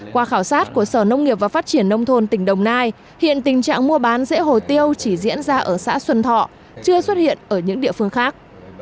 qua khảo sát của sở nông nghiệp và phát triển nông thôn tỉnh đồng nai hiện tình trạng mua bán rễ hồ tiêu chỉ diễn ra ở xã xuân thọ chưa xuất hiện ở những địa phương khác